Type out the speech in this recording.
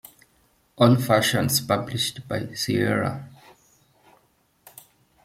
All versions published by Sierra.